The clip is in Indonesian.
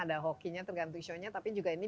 ada hokinya tergantung isonya tapi juga ini